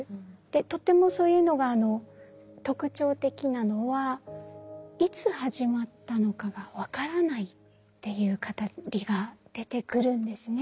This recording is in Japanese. とてもそういうのが特徴的なのはいつ始まったのかが分からないっていう語りが出てくるんですね。